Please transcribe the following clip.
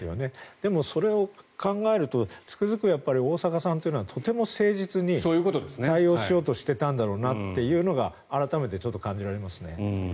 でも、それを考えるとつくづく大坂さんというのはとても誠実に対応しようとしていたんだろうなというのが改めてちょっと感じられますね。